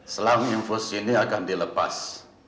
selang infus ini akan dilepas